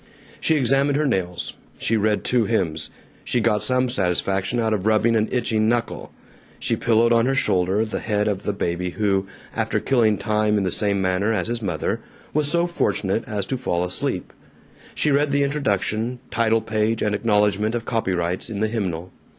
She examined her nails. She read two hymns. She got some satisfaction out of rubbing an itching knuckle. She pillowed on her shoulder the head of the baby who, after killing time in the same manner as his mother, was so fortunate as to fall asleep. She read the introduction, title page, and acknowledgment of copyrights, in the hymnal.